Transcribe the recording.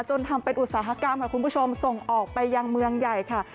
ทำเป็นอุตสาหกรรมค่ะคุณผู้ชมส่งออกไปยังเมืองใหญ่ค่ะ